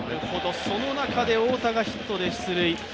その中で太田ヒットで出塁。